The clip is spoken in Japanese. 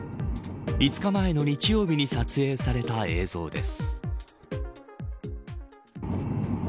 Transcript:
５日前の日曜日に撮影された映像です。